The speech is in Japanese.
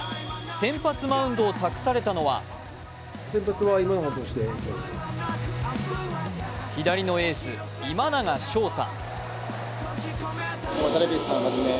先発マウンドを託されたのは左のエース、今永昇太。